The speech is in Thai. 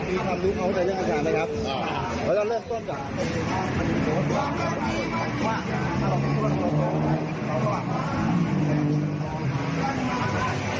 มีความรู้เขาใจเรื่องอาจารย์นะครับเราจะเริ่มต้นกัน